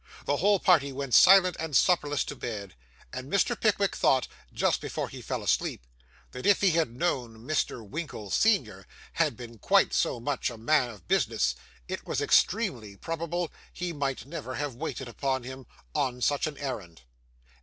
The whole party went silent and supperless to bed; and Mr. Pickwick thought, just before he fell asleep, that if he had known Mr. Winkle, senior, had been quite so much of a man of business, it was extremely probable he might never have waited upon him, on such an errand.